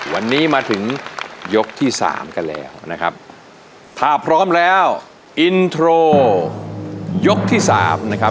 วันนี้มาถึงยกที่สามกันแล้วนะครับถ้าพร้อมแล้วอินโทรยกที่สามนะครับ